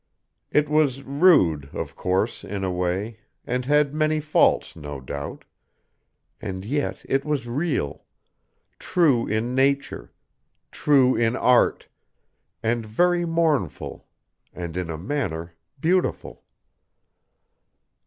It was rude, of course, in a way, and had many faults, no doubt; and yet it was real, true in nature, true in art, and very mournful, and in a manner beautiful.